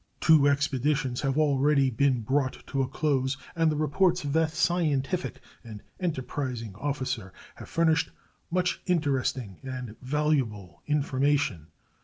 Two expeditions have already been brought to a close, and the reports of that scientific and enterprising officer have furnished much interesting and valuable information.